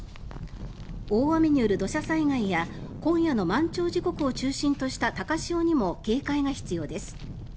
大雨による土砂災害や今夜の満潮時刻を中心とした高潮にも警戒が必要です。